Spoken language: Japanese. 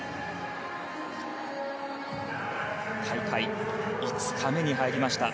大会５日目に入りました。